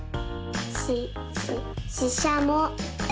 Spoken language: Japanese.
ししししゃも。